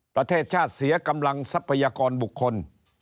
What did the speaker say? ประเทศชาติเสียกำลังทรัพยากรบุคคล